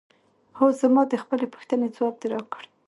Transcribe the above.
هو زما د خپلې پوښتنې ځواب دې راکړ؟